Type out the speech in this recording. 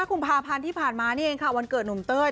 กุมภาพันธ์ที่ผ่านมานี่เองค่ะวันเกิดหนุ่มเต้ย